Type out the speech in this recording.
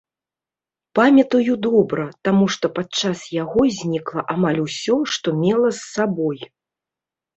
Памятаю добра, таму што падчас яго знікла амаль усё, што мела з сабой.